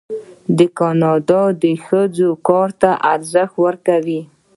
کاناډا د ښځو کار ته ارزښت ورکوي.